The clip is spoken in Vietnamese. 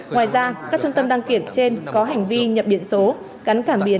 ngoài ra các trung tâm đăng kiểm trên có hành vi nhập biển số cắn cảm biến